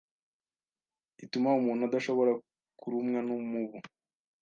ituma umuntu adashobora kurumwa n'umubu